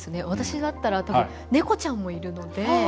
私だったら、猫ちゃんもいるので。